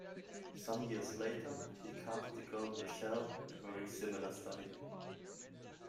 Some years later, he carved the Girl with a Shell, a very similar study.